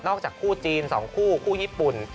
จากคู่จีน๒คู่คู่ญี่ปุ่น